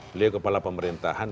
beliau kepala pemerintahan